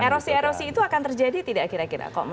erosi erosi itu akan terjadi tidak kira kira